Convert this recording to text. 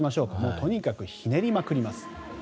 とにかくひねりまくります。